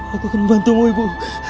aku akan membantumu ibu